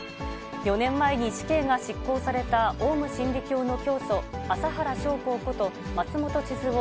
４年前に死刑が執行された、オウム真理教の教祖、麻原彰晃こと松本智津夫